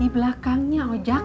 di belakangnya ojak